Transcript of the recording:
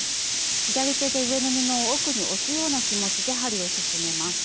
左手で上の布を奥に押すような気持ちで針を進めます。